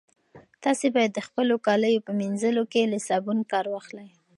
تاسي باید د خپلو کاليو په مینځلو کې له صابون کار واخلئ.